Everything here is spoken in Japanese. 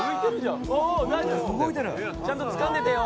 ちゃんとつかんでてよ